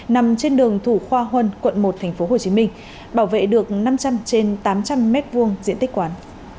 nằm trên đường thủ khoa huân quận một tp hcm bảo vệ được năm trăm linh trên tám trăm linh m hai diện tích quán